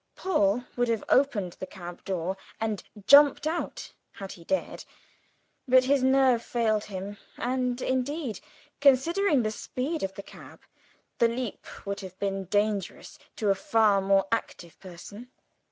Paul would have opened the cab door and jumped out had he dared, but his nerve failed him, and, indeed, considering the speed of the cab, the leap would have been dangerous to a far more active person.